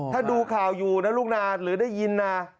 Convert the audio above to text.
ถ้าดูข่าวอยู่นะลูกนาหรือได้ยินนะ